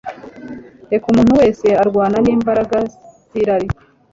Reka umuntu wese urwana nimbaraga zirari